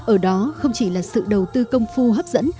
ở đó không chỉ là sự đầu tư công phu hấp dẫn